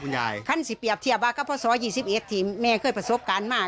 คุณยายขั้นสิเปรียบเทียบว่ากับพ่อสองยี่สิบเอ็ดที่แม่เคยประสบการณ์มาก